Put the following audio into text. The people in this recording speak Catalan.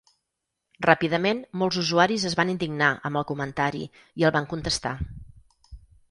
Ràpidament molts usuaris es van indignar amb el comentari i el van contestar.